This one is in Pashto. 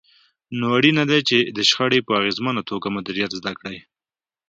نو اړينه ده چې د شخړې په اغېزمنه توګه مديريت زده کړئ.